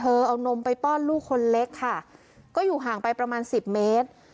เอานมไปป้อนลูกคนเล็กค่ะก็อยู่ห่างไปประมาณสิบเมตร